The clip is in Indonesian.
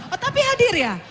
oh tapi hadir ya